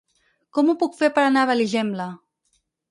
Com ho puc fer per anar a Benigembla?